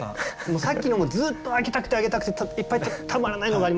さっきのもずっと挙げたくて挙げたくていっぱいたまらないのがありました。